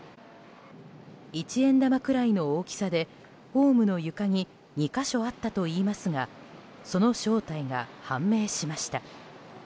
一円玉くらいの大きさでホームの床に２か所あったといいますがその正体が判明しました。